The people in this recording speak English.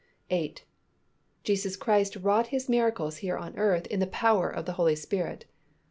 8. _Jesus Christ wrought His miracles here on earth in the power of the Holy Spirit.